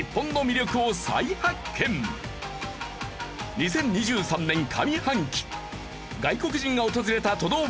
２０２３年上半期外国人が訪れた都道府県ランキング